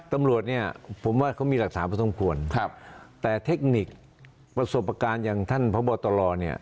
ตำรวจเนี่ยผมว่าเขามีหลักฐานพอสมควรครับแต่เทคนิคประสบการณ์อย่างท่านพบตรเนี่ย